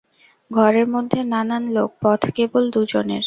ঘরের মধ্যে নানান লোক, পথ কেবল দুজনের।